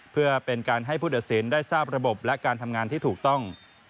เพื่อเป็นการให้ผู้ตัดสินได้ทราบระบบและการทำงานที่ถูกต้อง